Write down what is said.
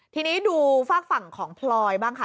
ทีนี้ดูฝากฝั่งของพลอยบ้างค่ะ